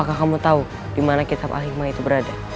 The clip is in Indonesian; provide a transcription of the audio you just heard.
apakah kamu tahu dimana kitab al hikmah itu berada